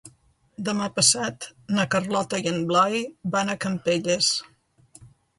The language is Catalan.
Demà passat na Carlota i en Blai van a Campelles.